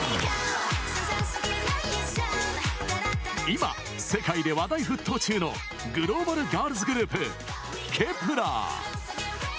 今、世界で話題沸騰中のグローバルガールズグループＫｅｐ１ｅｒ。